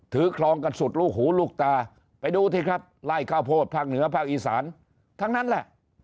ครองกันสุดลูกหูลูกตาไปดูสิครับไล่ข้าวโพดภาคเหนือภาคอีสานทั้งนั้นแหละ